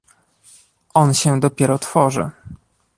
On się dopiero tworzy